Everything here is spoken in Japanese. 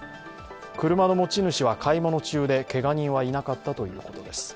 車の持ち主は買い物中でけが人はいなかったということです。